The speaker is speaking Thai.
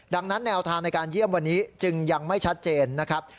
ดังนั้นแนวทางในการเยี่ยมวันนี้จึงยังไม่ชัดเจนนะครับ